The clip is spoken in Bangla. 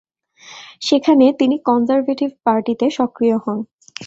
সেখানে, তিনি কনজারভেটিভ পার্টিতে সক্রিয় হন।